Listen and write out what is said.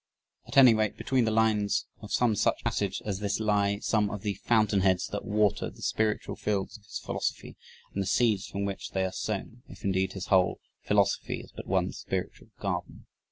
At any rate, between the lines of some such passage as this lie some of the fountain heads that water the spiritual fields of his philosophy and the seeds from which they are sown (if indeed his whole philosophy is but one spiritual garden).